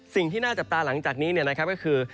สิ่งที่น่าจับตาหลังจากนี้ก็คือ